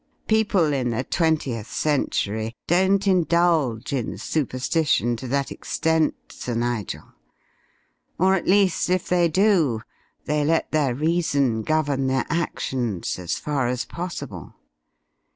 People in the twentieth century don't indulge in superstition to that extent, Sir Nigel; or, at least, if they do, they let their reason govern their actions as far as possible.